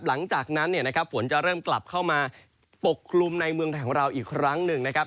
หลังจากนั้นฝนจะเริ่มกลับเข้ามาปกลุ่มในเมืองแถวเราอีกครั้งหนึ่งนะครับ